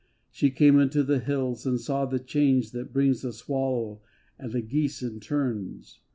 She came unto the hills and saw the change That brings the swallow and the geese in turns.